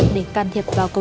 chú thay thử lo